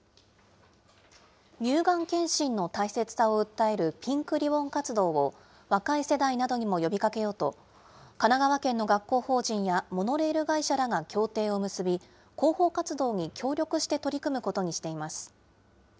乳がん検診の大切さを訴えるピンクリボン活動を、若い世代などにも呼びかけようと、神奈川県の学校法人やモノレール会社らが協定を結び、広報活動に協力して取り組むことにしています。